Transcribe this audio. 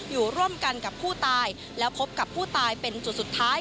อยู่ร่วมกันกับผู้ตายแล้วพบกับผู้ตายเป็นจุดสุดท้าย